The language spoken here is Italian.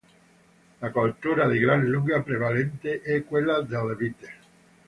La coltura di gran lunga prevalente è quella della vite.